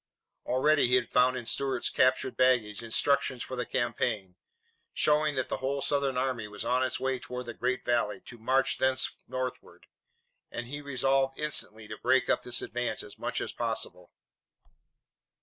Already he had found in Stuart's captured baggage instructions for the campaign, showing that the whole Southern army was on its way toward the great valley, to march thence northward, and he resolved instantly to break up this advance as much as possible.